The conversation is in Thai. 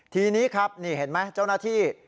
ทีนี้ครับนี่เห็นไหมเจ้าหน้าที่